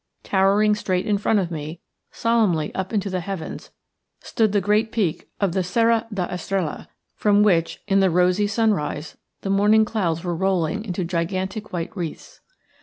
Towering straight in front of me, solemnly up into the heavens, stood the great peak of the Serra da Estrella, from which in the rosy sunrise the morning clouds were rolling into gigantic white wreaths.